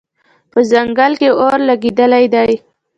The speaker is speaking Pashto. په ځنګل کې اور لګېدلی دی